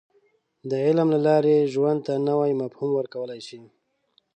• د علم له لارې، ژوند ته نوی مفهوم ورکولی شې.